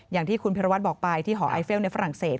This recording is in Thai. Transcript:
อย่างที่คุณพิรวัตรบอกไปที่หอไอเฟลในฝรั่งเศส